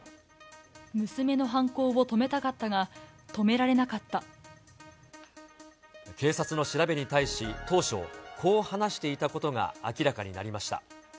娘の犯行を止めたかったが、警察の調べに対し、当初、こう話していたことが明らかになりました。